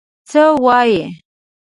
څه وایې؟